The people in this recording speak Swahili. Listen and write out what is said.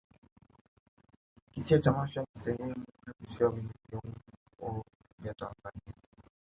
Kisiwa cha Mafia ni sehemu ya visiwa vyenye viungo vya Tanzania